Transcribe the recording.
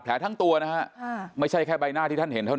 คือสิ่งที่เราติดตามคือสิ่งที่เราติดตาม